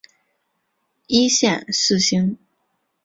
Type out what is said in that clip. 一线四星。